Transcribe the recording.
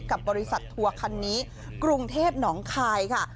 กับบริษัททัวร์คันนี้กรุงเทพหนองคายค่ะ